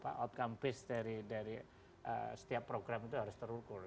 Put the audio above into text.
apa outcome based dari setiap program itu harus terukur